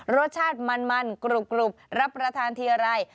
รสชาติมันกรุบรับประทานทีอะไร